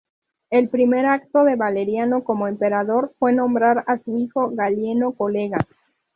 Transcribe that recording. El primer acto de Valeriano como emperador fue nombrar a su hijo Galieno "colega".